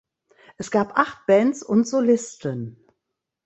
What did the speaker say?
Es gab acht Bands und Solisten.